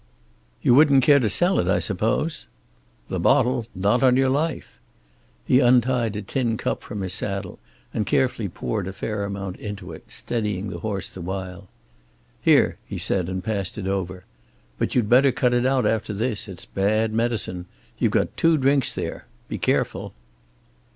"You wouldn't care to sell it, I suppose?" "The bottle? Not on your life." He untied a tin cup from his saddle and carefully poured a fair amount into it, steadying the horse the while. "Here," he said, and passed it over. "But you'd better cut it out after this. It's bad medicine. You've got two good drinks there. Be careful."